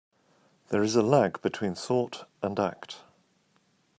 There is a lag between thought and act.